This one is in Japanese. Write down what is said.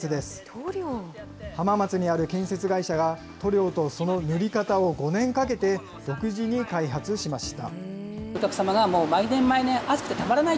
浜松にある建設会社が塗料とその塗り方を５年かけて独自に開発しました。